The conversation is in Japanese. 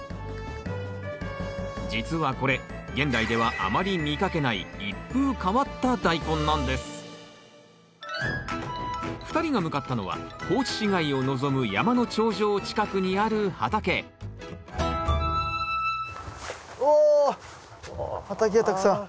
実はこれ現代ではあまり見かけない２人が向かったのは高知市街を望む山の頂上近くにある畑お畑がたくさん。